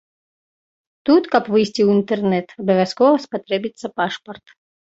Тут, каб выйсці ў інтэрнэт, абавязкова спатрэбіцца пашпарт.